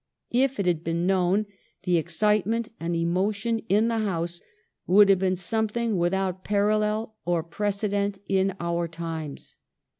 If that had been known the excitement and emotion in the House would have been something without precedent or parallel in our times.